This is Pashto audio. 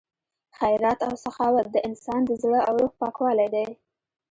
خیرات او سخاوت د انسان د زړه او روح پاکوالی دی.